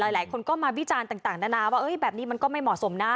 หลายคนก็มาวิจารณ์ต่างนานาว่าแบบนี้มันก็ไม่เหมาะสมนะ